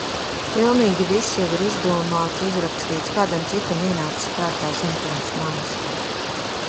Pilnīgi viss jau ir izdomāts, uzrakstīts, kādam citam ienācis prātā sen pirms manis.